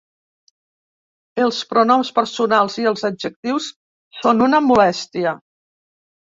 Els pronoms personals i els adjectius són una molèstia.